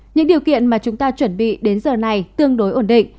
những điều kiện mà chúng ta chuẩn bị đến giờ này tương đối ổn định